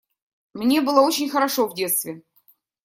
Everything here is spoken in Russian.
Мне было очень хорошо в детстве.